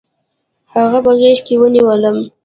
هغه په غېږ کې ونیولم.